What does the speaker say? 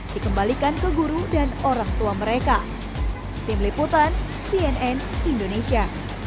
dikembalikan ke guru dan orang tua mereka